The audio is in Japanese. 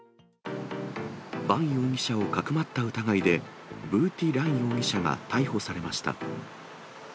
バン容疑者をかくまった疑いで、ヴー・ティ・ラン容疑者が逮捕されました。